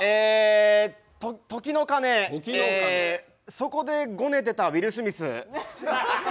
そこでごねてたウィル・スミス。